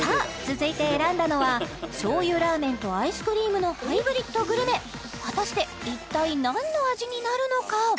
続いて選んだのは醤油ラーメンとアイスクリームのハイブリッドグルメ果たして一体何の味になるのか？